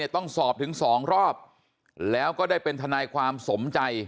ต้องสอบถึง๒รอบแล้วก็ได้เป็นทนายความสมใจ